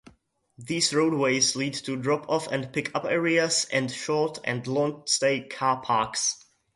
These roadways lead to drop-off and pick-up areas and short and long-stay car parks.